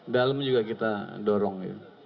dalem juga kita dorong